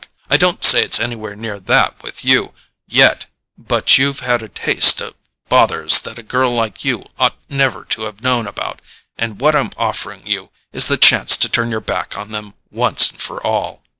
I don't say it's anywhere near that with you yet; but you've had a taste of bothers that a girl like yourself ought never to have known about, and what I'm offering you is the chance to turn your back on them once for all."